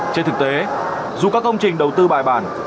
trên thực tế dù các công trình đầu tư bài bản